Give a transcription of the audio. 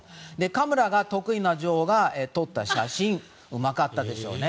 カメラが得意な女王が撮った写真うまかったでしょうね。